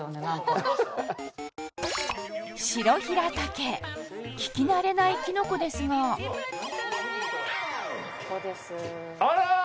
急に聞き慣れないキノコですがここですあら！